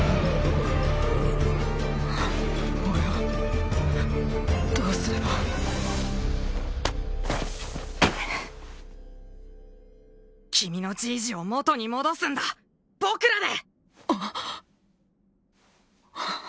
俺はどうすれば君のじいじを元に戻すんだ僕らで！